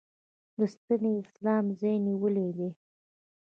د سنتي اسلام ځای یې نیولی دی.